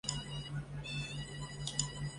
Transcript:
距离克利夫兰约一小时半的车程。